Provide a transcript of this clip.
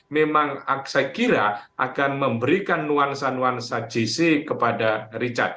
memang saya kira akan memberikan nuansa nuansa gc kepada richard